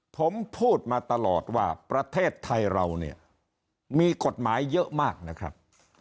ผมพูดมาตลอดว่าประเทศไทยเราเนี่ยมีกฎหมายเยอะมากนะครับ